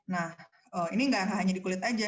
nah ini nggak hanya di kulit aja